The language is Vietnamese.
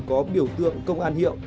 có biểu tượng công an hiệu